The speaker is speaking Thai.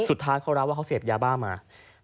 สุดท้ายเขารับว่าเขาเสพยาบ้ามา